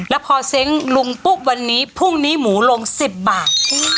แล้วพอเซ้งลุงปุ๊บวันนี้พรุ่งนี้หมูลง๑๐บาท